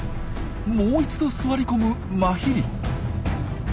もう一度座り込むマヒリ。